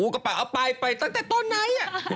ก็ปล่อยออกไปตั้งแต่ต้นไหนอะ